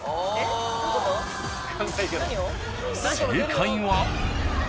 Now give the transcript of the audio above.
［正解は］